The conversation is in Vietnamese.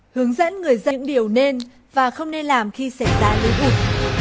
hướng dẫn người dân điều nên và không nên làm khi xảy ra lũ lụt